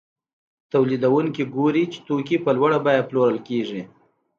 تولیدونکي ګوري چې توکي په لوړه بیه پلورل کېږي